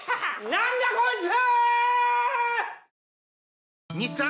何だこいつ‼